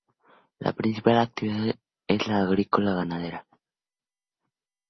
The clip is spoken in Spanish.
La principal actividad es la agrícola ganadera.